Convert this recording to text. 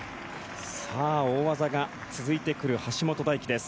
大技が続いてくる橋本大輝です。